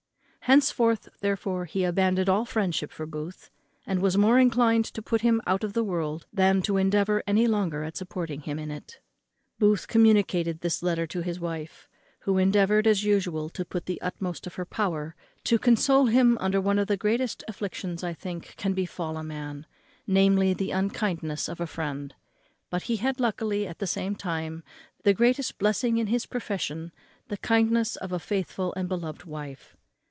Henceforth, therefore, he abandoned all friendship for Booth, and was more inclined to put him out of the world than to endeavour any longer at supporting him in it. Booth communicated this letter to his wife, who endeavoured, as usual, to the utmost of her power, to console him under one of the greatest afflictions which, I think, can befal a man, namely, the unkindness of a friend; but he had luckily at the same time the greatest blessing in his possession, the kindness of a faithful and beloved wife.